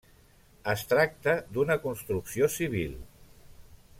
Es tracta d'una construcció civil: